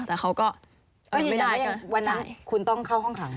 แต่เขาก็ไม่ได้กันใช่ใช่ค่ะก็เป็นระเบียบก็ยังไงวันนั้นคุณต้องเข้าห้องขัง